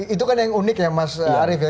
itu kan yang unik ya mas arief ya